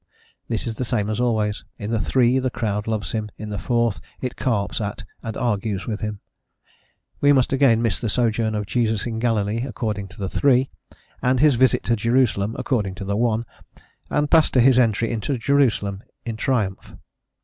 This is the same as always: in the three the crowd loves him; in the fourth it carps at and argues with him. We must again miss the sojourn of Jesus in Galilee, according to the three, and his visit to Jerusalem, according to the one, and pass to his entry into Jerusalem in triumph.